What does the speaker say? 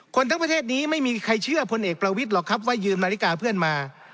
ทั้งประเทศนี้ไม่มีใครเชื่อพลเอกประวิทย์หรอกครับว่ายืมนาฬิกาเพื่อนมา